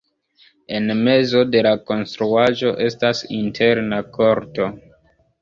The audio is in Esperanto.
En mezo de la konstruaĵo estas interna korto.